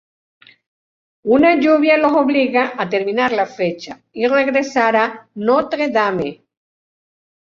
Una lluvia los obliga a terminar la fecha y regresar a Notre Dame.